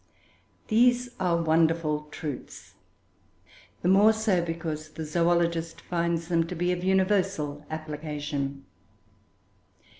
These are wonderful truths, the more so because the zoologist finds them to be of universal application.